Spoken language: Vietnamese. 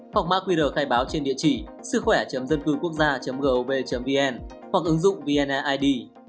hoặc mã qr khai báo trên địa chỉ sức khỏe dân cư quốc gia gov vn hoặc ứng dụng vneid